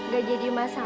gak jadi masalah